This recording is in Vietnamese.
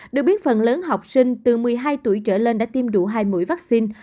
được biết phần lớn học sinh từ một mươi hai tuổi trở lên đã tiêm đủ hai mũi vaccine